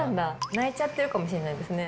泣いちゃってるかもしれないですね。